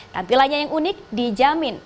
tampilannya yang unik dijamin